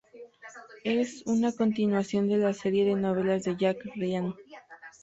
Es una continuación de la serie de novelas de Jack Ryan.